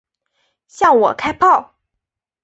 向我开炮！